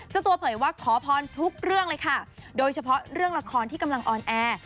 เจ้าตัวเผยว่าขอพรทุกเรื่องเลยค่ะโดยเฉพาะเรื่องละครที่กำลังออนแอร์